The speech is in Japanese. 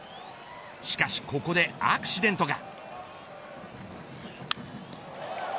しかし、ここでアクシデントが。